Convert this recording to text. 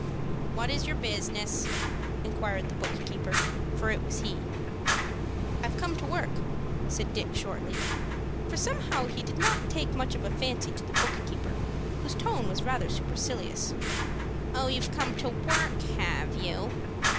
"What is your business?" inquired the book keeper, for it was he. "I've come to work," said Dick, shortly, for somehow he did not take much of a fancy to the book keeper, whose tone was rather supercilious. "Oh, you've come to work, have you?"